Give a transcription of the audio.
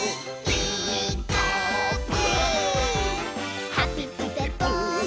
「ピーカーブ！」